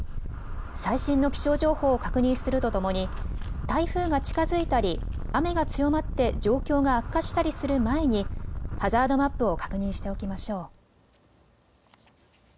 最新の気象情報を確認するとともに台風が近づいたり雨が強まって状況が悪化したりする前にハザードマップを確認しておきましょう。